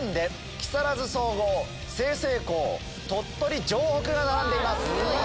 木更津総合済々黌鳥取城北が並んでいます。